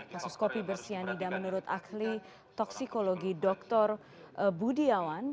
kasus kopi bersih yang tidak menurut ahli toksikologi dr budiawan